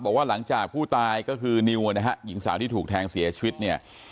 บอกว่าหลังจากผู้ตายก็คือนิวนะฮะหญิงสาวที่ถูกแทงเสียชีวิตเนี่ย